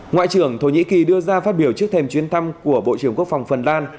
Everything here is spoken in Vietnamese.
ngoại trưởng thổ nhĩ kỳ đưa ra phát biểu trước thềm chuyến thăm của bộ trưởng quốc phòng phần lan